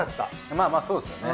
まあまあそうですよね。